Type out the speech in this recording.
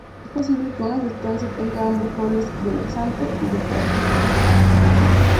Es posible que una sustancia tenga ambos roles de laxante y de catártico.